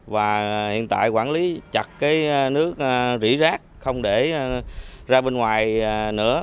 và hiện tại quản lý chặt cái nước rỉ rác không để ra bên ngoài nữa